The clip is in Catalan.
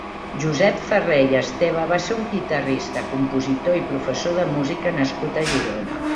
Josep Ferrer i Esteve va ser un guitarrista, compositor i professor de música nascut a Girona.